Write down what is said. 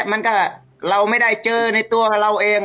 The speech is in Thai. มันก็เราไม่ได้เจอในตัวของเราเอง